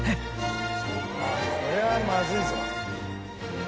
これはまずいぞ。